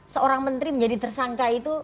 seorang menteri menjadi tersangka itu